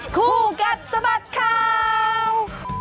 คู่แก๊บสบัดข่าว